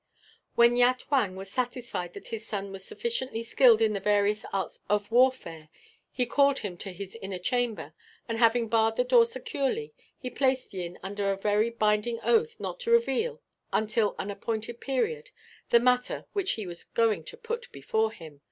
When Yat Huang was satisfied that his son was sufficiently skilled in the various arts of warfare, he called him to his inner chamber, and having barred the door securely, he placed Yin under a very binding oath not to reveal, until an appointed period, the matter which he was going to put before him.